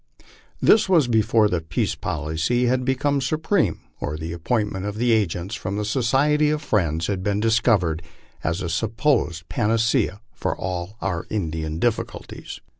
This was before the peace policy had become supreme, or the appointment of agents from the Society of Friends had been discovered as a supposed pan acea for all our Indian difficulties.